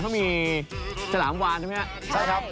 เขามีจะหลามควานใช่ไหมฮะใช่ครับ